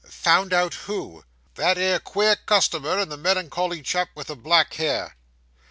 'Found out who?' 'That 'ere queer customer, and the melan cholly chap with the black hair.